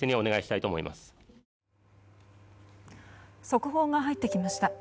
速報が入ってきました。